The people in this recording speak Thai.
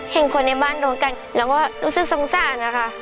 เห็นคนในบ้านโดนกันแล้วก็รู้สึกสงสารนะคะ